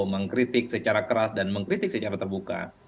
mengkritik secara keras dan mengkritik secara terbuka